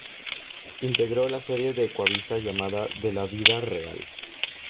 Integró la serie de Ecuavisa llamada De la Vida Real.